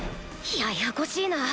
ややこしいな